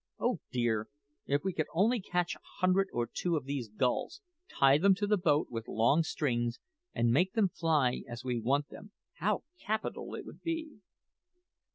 Oh dear, if we could only catch a hundred or two of these gulls, tie them to the boat with long strings, and make them fly as we want them, how capital it would be!"